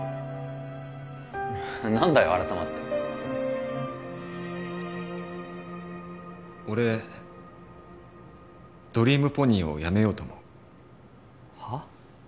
何だよ改まって俺ドリームポニーを辞めようと思うはっ？